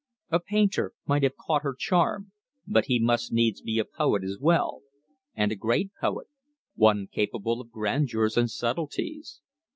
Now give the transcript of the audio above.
A painter might have caught her charm, but he must needs be a poet as well, and a great poet, one capable of grandeurs and subtleties.